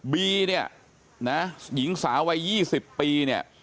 บีเนี่ยนะหญิงสาววัย๒๐ปีเนี่ย